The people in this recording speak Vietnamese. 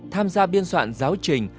tham gia biên soạn giáo trình